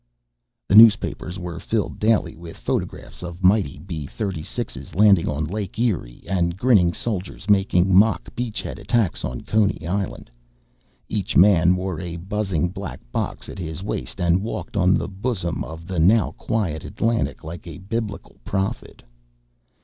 _ The newspapers were filled daily with photographs of mighty B 36's landing on Lake Erie, and grinning soldiers making mock beachhead attacks on Coney Island. Each man wore a buzzing black box at his waist and walked on the bosom of the now quiet Atlantic like a biblical prophet.